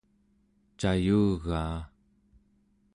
cayugaa